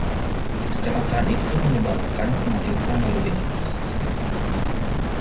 Kecelakaan itu menyebabkan kemacetan lalu lintas.